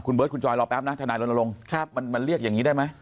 เบิร์ตคุณจอยรอแป๊บนะทนายรณรงค์มันเรียกอย่างนี้ได้ไหม